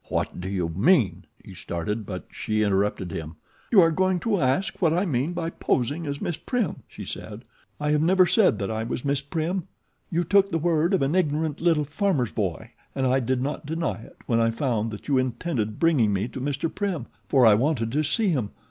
"What do you mean " he started; but she interrupted him. "You are going to ask what I mean by posing as Miss Prim," she said. "I have never said that I was Miss Prim. You took the word of an ignorant little farmer's boy and I did not deny it when I found that you intended bringing me to Mr. Prim, for I wanted to see him.